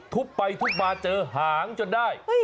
ทุบไปทุบมาเจอหางจนได้